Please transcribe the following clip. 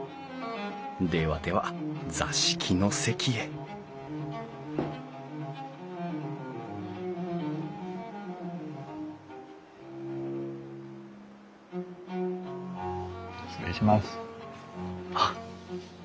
ではでは座敷の席へ失礼します。